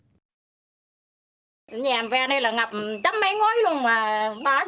nhà em về đây là ngập tấm mấy ngối luôn mà bá vô một cái